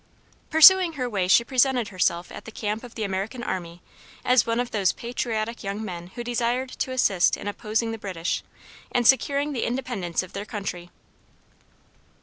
Pursuing her way she presented herself at the camp of the American army as one of those patriotic young men who desired to assist in opposing the British, and securing the independence of their country.